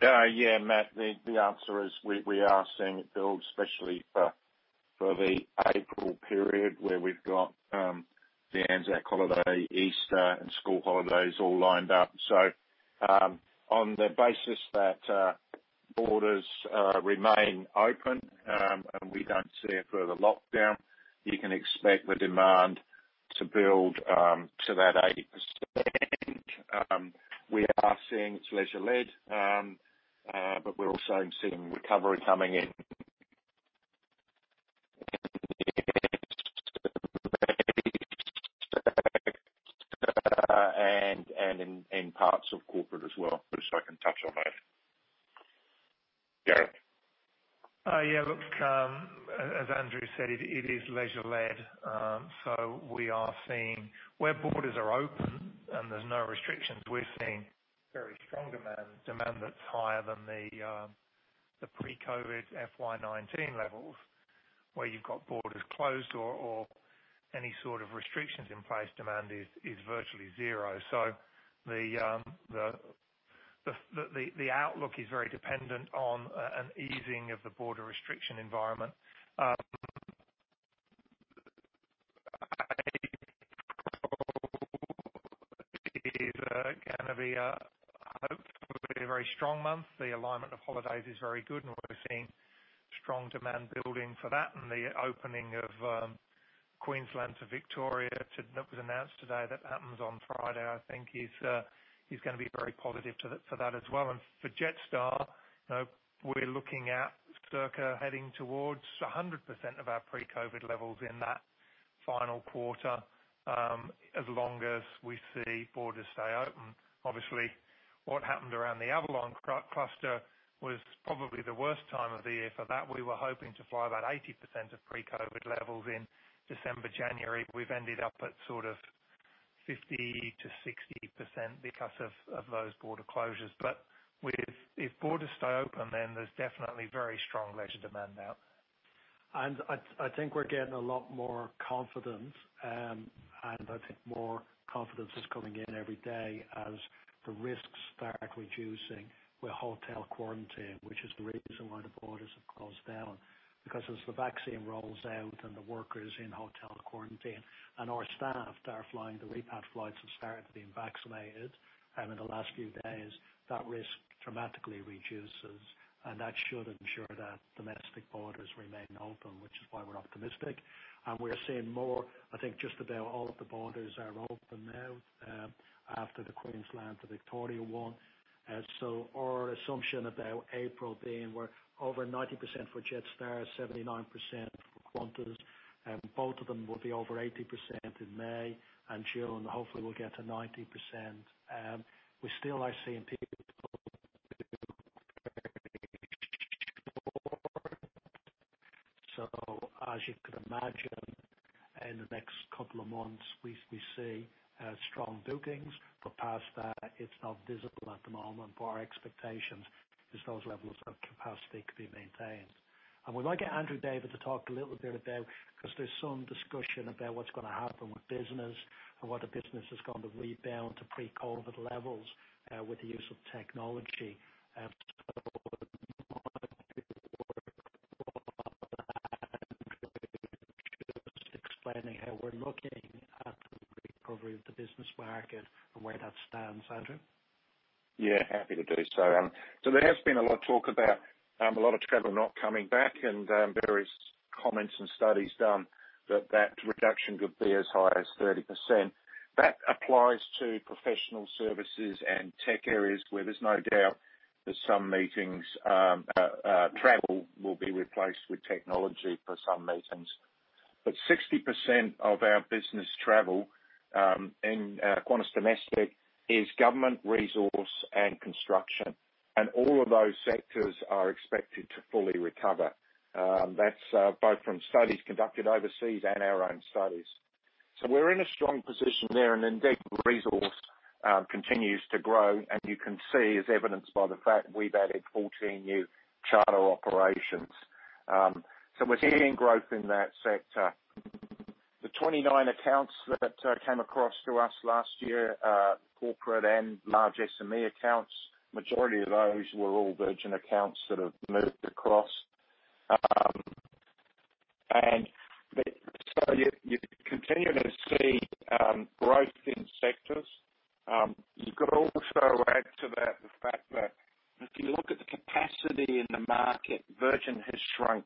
Matt, the answer is, we are seeing it build, especially for the April period, where we've got the Anzac holiday, Easter, and school holidays all lined up. On the basis that borders remain open, and we don't see a further lockdown, you can expect the demand to build to that 80%. We are seeing it's leisure-led, but we're also seeing recovery coming in. In parts of corporate as well. I can touch on that. Gareth. Yeah. Look, as Andrew said, it is leisure-led. We are seeing where borders are open and there's no restrictions, we're seeing very strong demand that's higher than the pre-COVID FY 2019 levels. Where you've got borders closed or any sort of restrictions in place, demand is virtually zero. The outlook is very dependent on an easing of the border restriction environment. It is going to be a, hopefully, a very strong month. The alignment of holidays is very good, and we're seeing strong demand building for that. The opening of Queensland to Victoria that was announced today, that happens on Friday, I think, is going to be very positive for that as well. For Jetstar, we're looking at circa heading towards 100% of our pre-COVID levels in that final quarter, as long as we see borders stay open. Obviously, what happened around the Avalon cluster was probably the worst time of the year for that. We were hoping to fly about 80% of pre-COVID levels in December, January. We've ended up at sort of. 50%-60% because of those border closures. If borders stay open, there's definitely very strong leisure demand now. I think we're getting a lot more confidence, and I think more confidence is coming in every day as the risks start reducing with hotel quarantine, which is the reason why the borders have closed down. As the vaccine rolls out and the workers in hotel quarantine, and our staff that are flying the repat flights have started being vaccinated in the last few days, that risk dramatically reduces, and that should ensure that domestic borders remain open, which is why we're optimistic. We're seeing more, I think just about all of the borders are open now after the Queensland to Victoria one. Our assumption about April being we're over 90% for Jetstar, 79% for Qantas, both of them will be over 80% in May and June, hopefully we'll get to 90%. We still are seeing people so as you can imagine in the next couple of months, we see strong bookings, but past that, it's not visible at the moment, but our expectation is those levels of capacity could be maintained. We might get Andrew David to talk a little bit about, because there's some discussion about what's going to happen with business and whether business is going to rebound to pre-COVID levels with the use of technology. Just explaining how we're looking at the recovery of the business market and where that stands. Andrew? Yeah, happy to do so. There has been a lot of talk about a lot of travel not coming back and various comments and studies done that reduction could be as high as 30%. That applies to professional services and tech areas where there's no doubt that some meetings, travel will be replaced with technology for some meetings. 60% of our business travel in Qantas Domestic is government resource and construction, and all of those sectors are expected to fully recover. That's both from studies conducted overseas and our own studies. We're in a strong position there, and indeed, resource continues to grow, and you can see as evidenced by the fact we've added 14 new charter operations. We're seeing growth in that sector. The 29 accounts that came across to us last year, corporate and large SME accounts, majority of those were all Virgin accounts that have moved across. You're continuing to see growth in sectors. You've got to also add to that the fact that if you look at the capacity in the market, Virgin has shrunk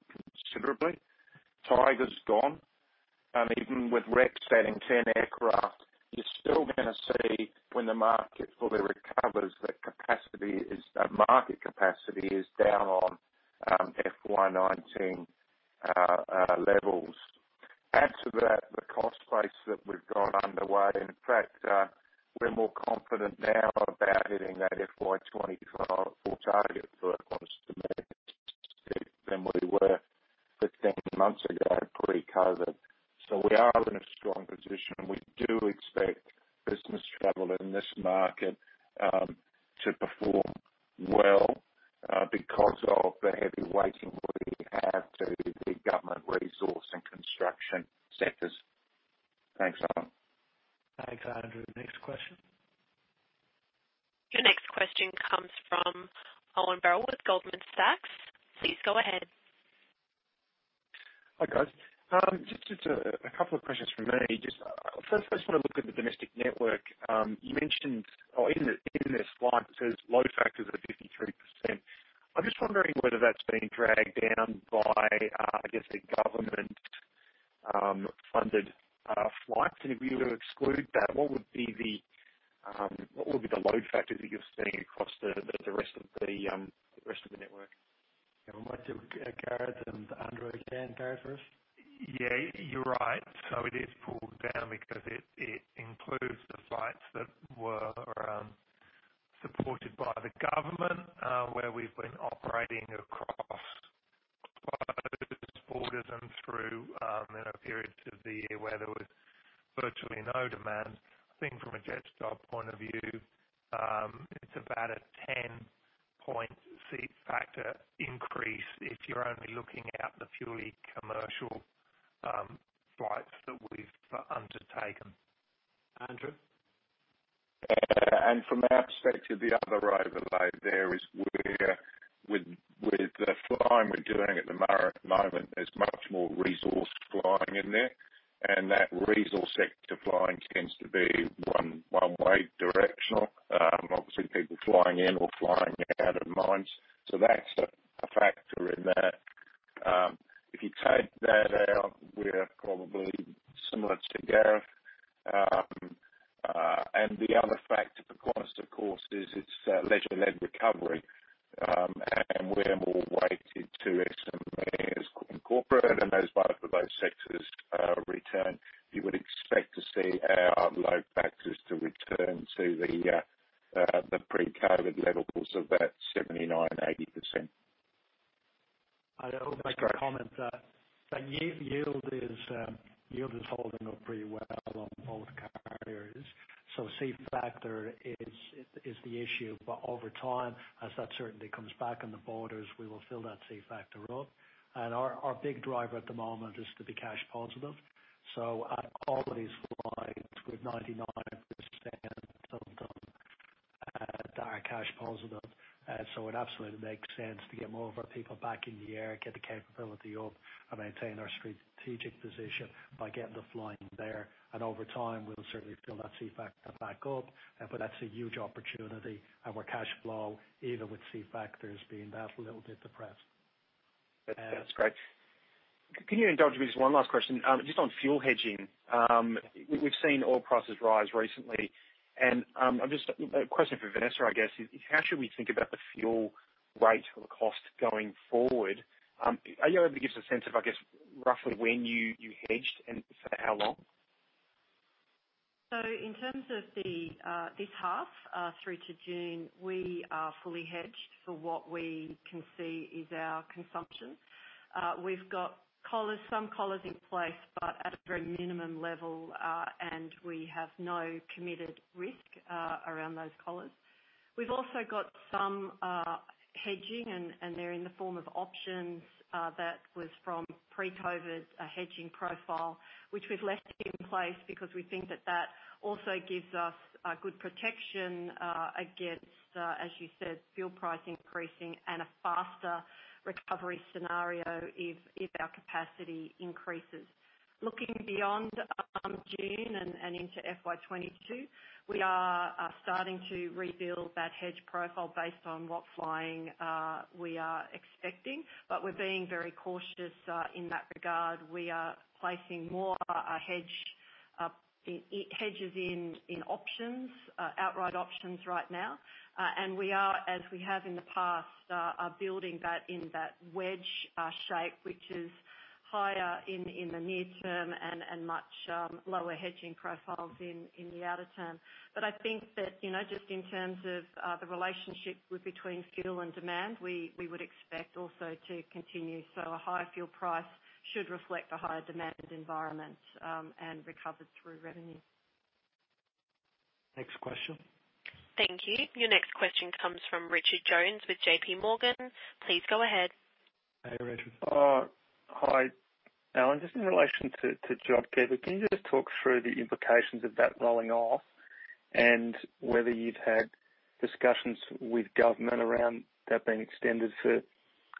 and that resource sector flying tends to be one-way directional. Obviously, people flying in or flying out of mines. That's a factor in that. If you take that out, we're probably similar to Gareth. The other factor for Qantas, of course, is its leisure-led recovery, and we're more weighted to SME as corporate. As both of those sectors return, you would expect to see our load factors to return to the pre-COVID levels of about 79%, 80%. I hope I can comment that yield is holding up pretty well on both carriers. Seat factor is the issue. Over time, as that certainty comes back in the borders, we will fill that seat factor up. Our big driver at the moment is to be cash positive. Our quality is wide, with 99% of them that are cash positive. It absolutely makes sense to get more of our people back in the air, get the capability up, and maintain our strategic position by getting the flying there. Over time, we'll certainly fill that seat factor back up. That's a huge opportunity. Our cash flow, even with seat factors being that little bit depressed. That's great. Can you indulge me with just one last question? Just on fuel hedging. We've seen oil prices rise recently, and a question for Vanessa, I guess is: how should we think about the fuel rate or the cost going forward? Are you able to give us a sense of, I guess, roughly when you hedged and for how long? In terms of this half through to June, we are fully hedged for what we can see is our consumption. We've got some collars in place, but at a very minimum level, and we have no committed risk around those collars. We've also got some hedging, and they're in the form of options that was from pre-COVID hedging profile, which we've left in place because we think that that also gives us good protection against, as you said, fuel price increasing and a faster recovery scenario if our capacity increases. Looking beyond June and into FY 2022, we are starting to rebuild that hedge profile based on what flying we are expecting. We're being very cautious in that regard. We are placing more hedges in options, outright options right now. We are, as we have in the past, are building that in that wedge shape, which is higher in the near term and much lower hedging profiles in the outer term. I think that, just in terms of the relationship between fuel and demand, we would expect also to continue. A higher fuel price should reflect a higher demand environment and recovered through revenue. Next question? Thank you. Your next question comes from Richard Jones with JPMorgan. Please go ahead. Hi, Richard. Hi, Alan. Just in relation to JobKeeper, can you just talk through the implications of that rolling off and whether you've had discussions with government around that being extended for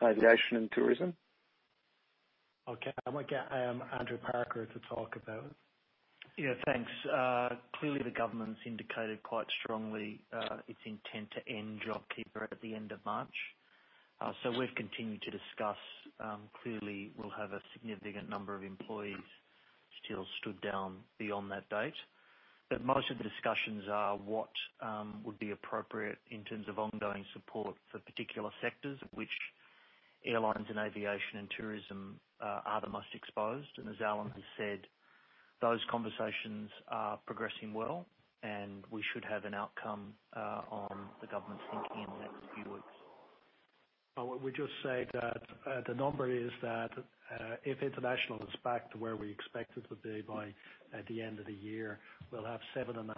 aviation and tourism? Okay. I'm going to get Andrew Parker to talk about it. Yeah, thanks. Clearly, the government's indicated quite strongly its intent to end JobKeeper at the end of March. We've continued to discuss. Clearly, we'll have a significant number of employees still stood down beyond that date. Most of the discussions are what would be appropriate in terms of ongoing support for particular sectors, which airlines and aviation and tourism are the most exposed. As Alan has said, those conversations are progressing well, and we should have an outcome on the government's thinking in the next few weeks. I would just say that the number is that if international is back to where we expect it to be by the end of the year, we'll have 7,500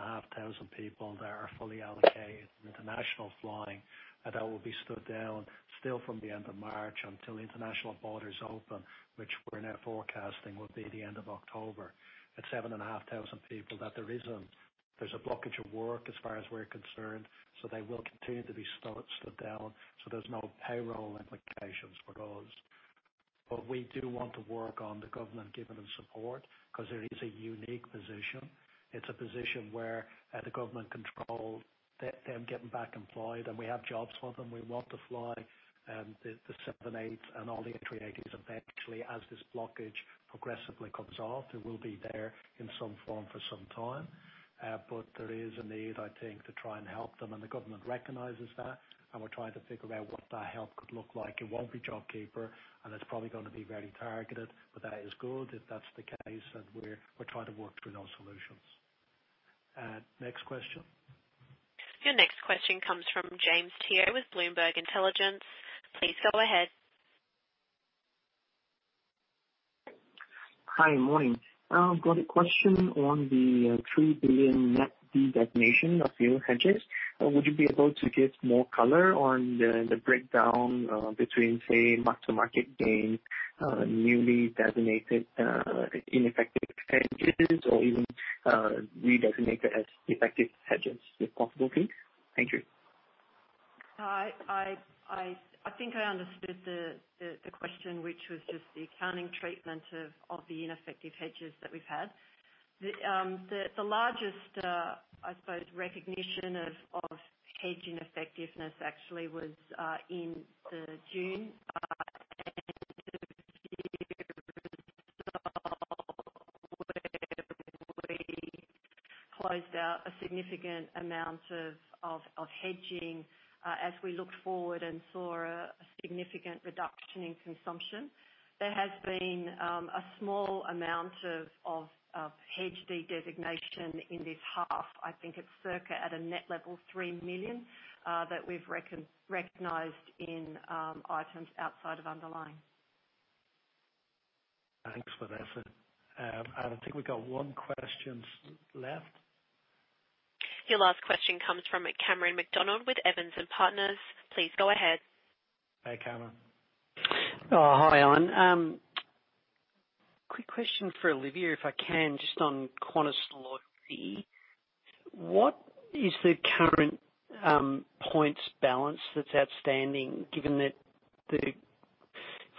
people that are fully allocated in international flying that will be stood down still from the end of March until international borders open, which we're now forecasting will be the end of October. At 7,500 people, there's a blockage of work as far as we're concerned. They will continue to be stood down. There's no payroll implications for those. We do want to work on the government giving them support because there is a unique position. It's a position where the government control them getting back employed, and we have jobs for them. We want to fly the 78 and all the A380s eventually as this blockage progressively comes off. It will be there in some form for some time. There is a need, I think, to try and help them, and the government recognizes that, and we're trying to figure out what that help could look like. It won't be JobKeeper, and it's probably going to be very targeted, but that is good if that's the case, and we're trying to work through those solutions. Next question. Your next question comes from James Teo with Bloomberg Intelligence. Please go ahead. Hi, morning. I've got a question on the 3 million net redesignation of fuel hedges. Would you be able to give more color on the breakdown between, say, mark-to-market gain, newly designated ineffective hedges, or even redesignated as effective hedges, if possible, please? Thank you. I think I understood the question, which was just the accounting treatment of the ineffective hedges that we've had. The largest, I suppose, recognition of hedge ineffectiveness actually was in the June end of year where we closed out a significant amount of hedging as we looked forward and saw a significant reduction in consumption. There has been a small amount of hedge redesignation in this half. I think it's circa at a net level 3 million that we've recognized in items outside of underlying. Thanks, Vanessa. I think we've got one question left. Your last question comes from Cameron McDonald with Evans & Partners. Please go ahead. Hey, Cameron. Hi, Alan. Quick question for Olivia, if I can, just on Qantas Loyalty. What is the current points balance that's outstanding, given that if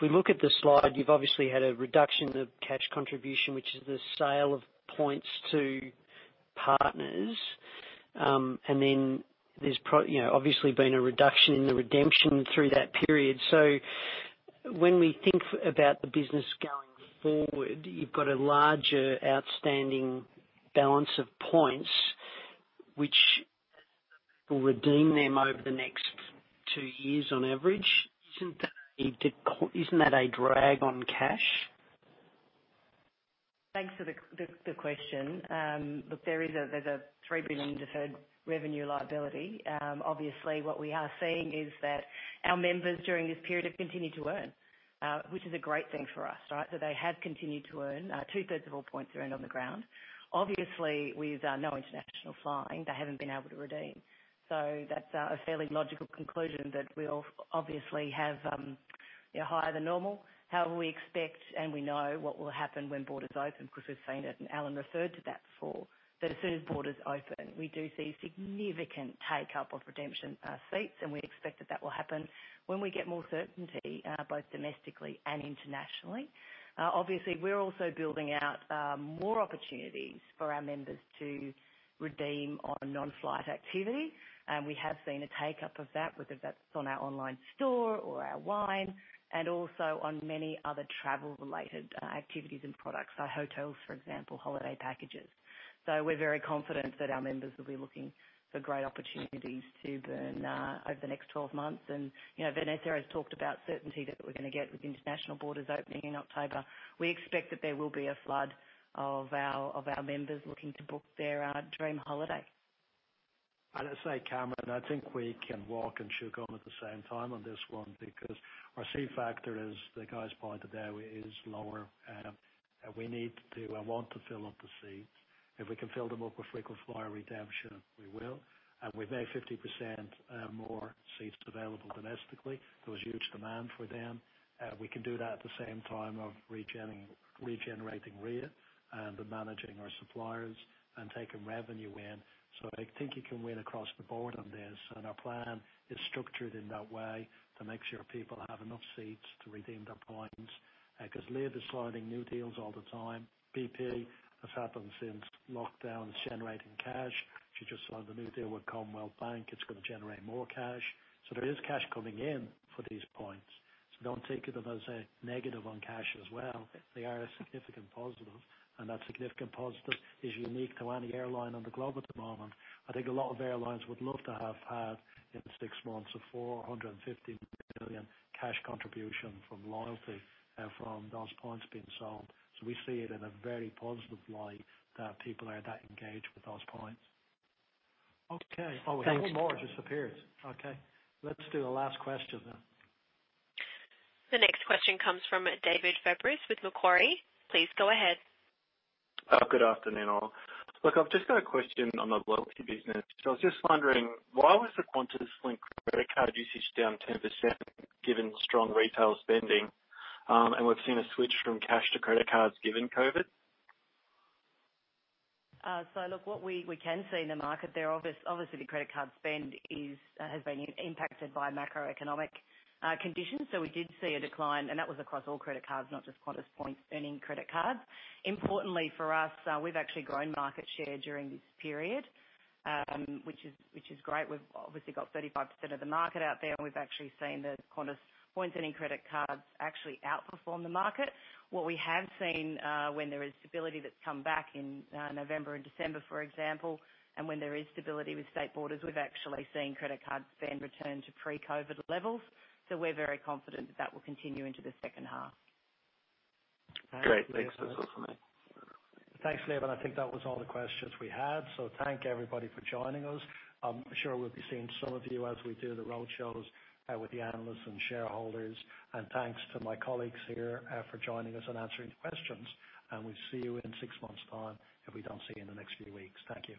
we look at the slide, you've obviously had a reduction of cash contribution, which is the sale of points to partners. Then there's obviously been a reduction in the redemption through that period. When we think about the business going forward, you've got a larger outstanding balance of points, which will redeem them over the next two years on average. Isn't that a drag on cash? Thanks for the question. There's an 3 billion deferred revenue liability. What we are seeing is that our members during this period have continued to earn, which is a great thing for us, right? That they have continued to earn. Two-thirds of all points are earned on the ground. With no international flying, they haven't been able to redeem. That's a fairly logical conclusion that we obviously have higher than normal. We expect, and we know what will happen when borders open because we've seen it, and Alan referred to that before. As soon as borders open, we do see significant take-up of redemption seats, and we expect that that will happen when we get more certainty both domestically and internationally. We're also building out more opportunities for our members to redeem on non-flight activity. We have seen a take-up of that, whether that's on our online store or our wine, and also on many other travel-related activities and products, like hotels, for example, holiday packages. We're very confident that our members will be looking for great opportunities to burn over the next 12 months. Vanessa has talked about certainty that we're going to get with international borders opening in October. We expect that there will be a flood of our members looking to book their dream holiday. I say, Cameron, I think we can walk and chew gum at the same time on this one because our seat factor, as the guys pointed out, is lower. We need to and want to fill up the seats. If we can fill them up with frequent flyer redemption, we will. We've made 50% more seats available domestically. There was huge demand for them. We can do that at the same time of regenerating RRA and managing our suppliers and taking revenue in. I think you can win across the board on this, and our plan is structured in that way to make sure people have enough seats to redeem their points. Olivia is signing new deals all the time. BP has happened since lockdown is generating cash. She just signed a new deal with Commonwealth Bank. It's going to generate more cash. There is cash coming in for these points. Don't think of them as a negative on cash as well. They are a significant positive, and that significant positive is unique to any airline on the globe at the moment. I think a lot of airlines would love to have had, in six months, an 450 million cash contribution from loyalty and from those points being sold. We see it in a very positive light that people are that engaged with those points. Okay. Thanks. --Oh, one more just appeared. Okay, let's do the last question then. The next question comes from David Fabris with Macquarie. Please go ahead. Good afternoon, all. Look, I've just got a question on the Loyalty business. I was just wondering, why was the QantasLink credit card usage down 10% given strong retail spending? We've seen a switch from cash to credit cards given COVID. What we can see in the market there, obviously, the credit card spend has been impacted by macroeconomic conditions. We did see a decline, and that was across all credit cards, not just Qantas Points-earning credit cards. Importantly for us, we've actually grown market share during this period, which is great. We've obviously got 35% of the market out there, and we've actually seen the Qantas Points-earning credit cards actually outperform the market. What we have seen, when there is stability that's come back in November and December, for example, and when there is stability with state borders, we've actually seen credit card spend return to pre-COVID levels. We're very confident that that will continue into the second half. Great. Thanks. That's all for me. Thanks, Olivia. I think that was all the questions we had. Thank everybody for joining us. I'm sure we'll be seeing some of you as we do the roadshows with the analysts and shareholders. Thanks to my colleagues here for joining us and answering the questions. We'll see you in six months' time if we don't see you in the next few weeks. Thank you.